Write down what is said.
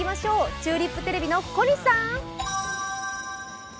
チューリップテレビの小西さん！